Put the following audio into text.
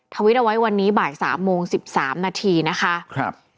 ถวิตเอาไว้วันนี้บ่าย๓โมง๑๓นาทีนะคะ